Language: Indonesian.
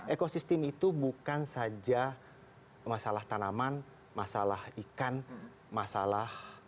ekosistem itu bukan saja masalah tanaman masalah ikan masalah